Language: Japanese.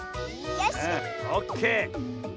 オッケー。